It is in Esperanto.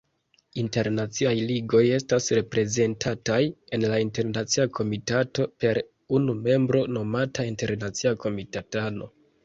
Internaciaj Ligoj estas reprezentataj en la Internacia Komitato per unu membro, nomata Internacia Komitatano.